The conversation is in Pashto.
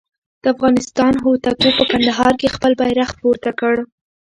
د افغانستان هوتکو په کندهار کې خپل بیرغ پورته کړ.